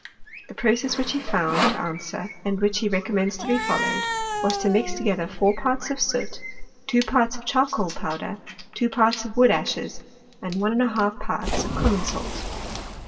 The process which he found to answer, and which he recommends to be followed, was to mix together 4 parts of soot 2 parts of charcoal powder 2 parts of wood ashes 1 J parts of common salt.